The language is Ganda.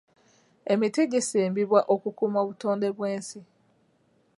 Emiti gisimbibwa okukuuma obutonde bw'ensi.